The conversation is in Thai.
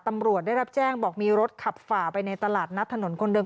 ตำรวจได้รับแจ้งบอกมีรถขับฝ่าไปในตลาดนัดถนนคนเดิน